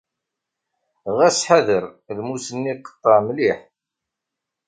Ɣas ḥader. Lmus-nni iqeṭṭeɛ mliḥ.